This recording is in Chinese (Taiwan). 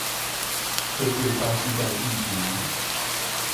針對大巨蛋議題